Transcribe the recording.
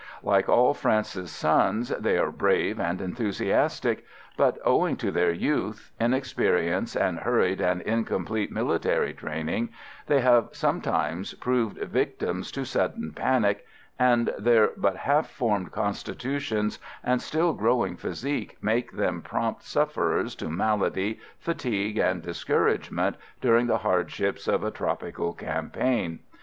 Like all France's sons, they are brave and enthusiastic, but owing to their youth, inexperience and hurried and incomplete military training they have sometimes proved victims to sudden panic, and their but half formed constitutions and still growing physique make them prompt sufferers to malady, fatigue and discouragement during the hardships of a tropical campaign.